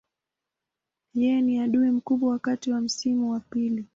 Yeye ni adui mkubwa wakati wa msimu wa pili.